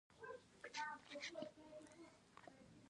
افغانستان د هندوکش د ترویج لپاره پروګرامونه لري.